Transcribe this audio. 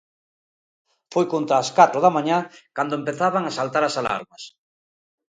Foi contra as catro da mañá cando empezaban a saltar as alarmas.